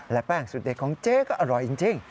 และแป้งสุดเด็ดของเจ๊ก็อร่อยจริง